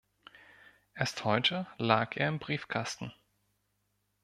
Erst heute lag er im Briefkasten.